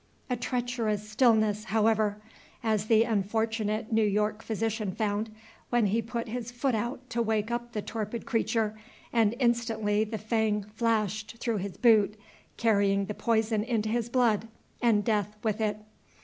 A treacherous stillness, however, as the unfortunate New York physician found, when he put his foot out to wake up the torpid creature, and instantly the fang flashed through his boot, carrying the poison into his blood, and death with it.